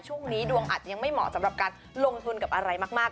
ช่วงนี้ดวงอาจยังไม่เหมาะสำหรับการลงทุนกับอะไรมาก